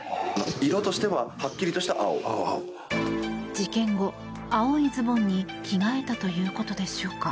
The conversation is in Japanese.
事件後、青いズボンに着替えたということでしょうか。